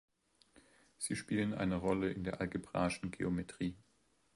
Sie spielen eine Rolle in der algebraischen Geometrie.